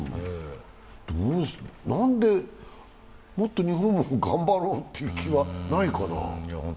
なんで、もっと日本も頑張ろうという気はないのかな？